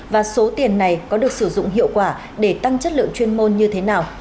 và số tiền này có được sử dụng hiệu quả để tăng chất lượng chuyên môn như thế nào